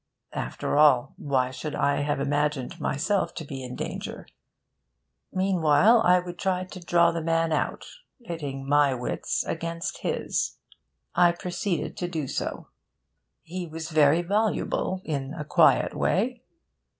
After all, why should I have imagined myself to be in danger? Meanwhile, I would try to draw the man out, pitting my wits against his. I proceeded to do so. He was very voluble in a quiet way.